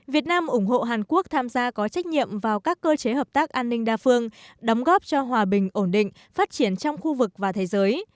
việt nam ủng hộ hàn quốc tham gia có trách nhiệm vào các cơ chế hợp tác an ninh đa phương đóng góp cho hòa bình ổn định phát triển trong khu vực và thế giới